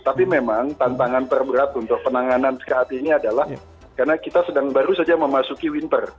tapi memang tantangan terberat untuk penanganan saat ini adalah karena kita baru saja memasuki winter